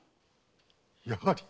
やはり！